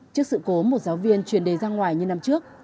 trước sự cố một giáo viên truyền đề ra ngoài như năm trước